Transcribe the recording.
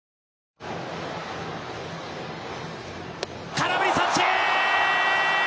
空振り三振！！